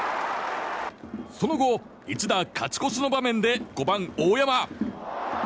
その後、一打勝ち越しの場面で５番、大山。